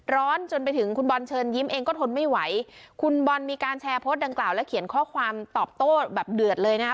จนไปถึงคุณบอลเชิญยิ้มเองก็ทนไม่ไหวคุณบอลมีการแชร์โพสต์ดังกล่าวและเขียนข้อความตอบโต้แบบเดือดเลยนะคะ